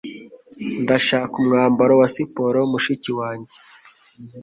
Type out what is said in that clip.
Ndashaka umwambaro wa siporo mushiki wanjye.